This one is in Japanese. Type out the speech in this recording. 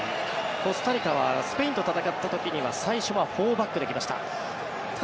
コスタリカはスペインと戦った時には最初は４バックで来ました。